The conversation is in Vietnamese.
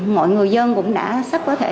mọi người dân cũng đã sắp có thể